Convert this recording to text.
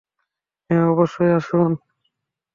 হ্যাঁ, অবশ্যই, আসুন।